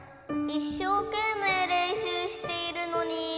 いっしょうけんめいれんしゅうしているのに。